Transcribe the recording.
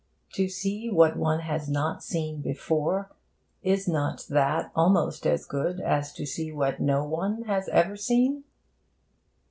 To see what one has not seen before, is not that almost as good as to see what no one has ever seen?